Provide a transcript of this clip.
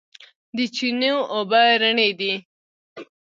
د چینو اوبه رڼې دي